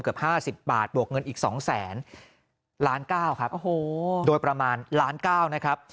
เกือบ๕๐บาทบวกเงินอีก๒แสนล้านเก้าครับโอ้โหโดยประมาณล้านเก้านะครับ